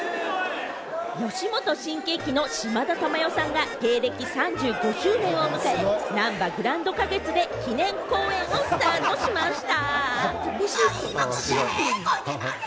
吉本新喜劇の島田珠代さんが芸歴３５周年を迎え、なんばグランド花月で記念公演をスタートしました。